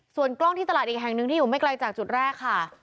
ส่วนกล้องที่ตลาดอีกแห่งหนึ่งที่อยู่ไม่ไกลจากจุดแรกค่ะ